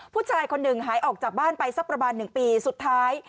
ผู้ชายคนหนึ่งหายออกจากบ้านไปสักประมาณ๑ปีสุดท้าย